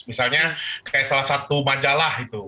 misalnya kayak salah satu majalah itu